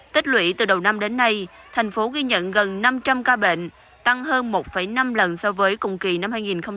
tích lũy từ đầu năm đến nay thành phố ghi nhận gần năm trăm linh ca bệnh tăng hơn một năm lần so với cùng kỳ năm hai nghìn hai mươi ba